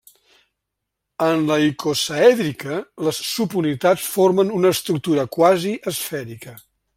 En la icosaèdrica, les subunitats formen una estructura quasi esfèrica.